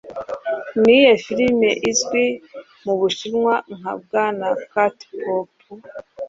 Niyihe firime izwi mu Bushinwa nka "Bwana Cat Poop?